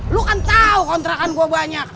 lu kan tau kontrakan gua banyak